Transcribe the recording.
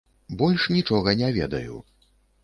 Больш нічога не ведаю.